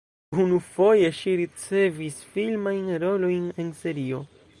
Unufoje ŝi ricevis filmajn rolojn en serio.